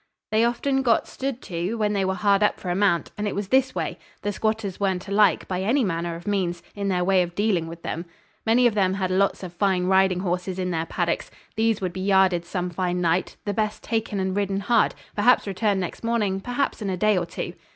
They often got stood to, when they were hard up for a mount, and it was this way. The squatters weren't alike, by any manner of means, in their way of dealing with them. Many of them had lots of fine riding horses in their paddocks. These would be yarded some fine night, the best taken and ridden hard, perhaps returned next morning, perhaps in a day or two.